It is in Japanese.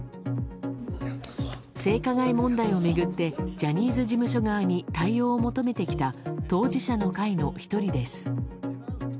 性加害問題を巡ってジャニーズ事務所側に対応を求めてきた当事者の会の１人です。